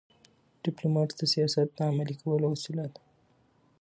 ډيپلومات د سیاست د عملي کولو وسیله ده.